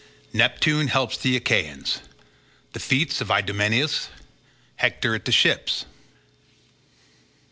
Neptune helps the Achaeans—The feats of Idomeneus—Hector at the ships.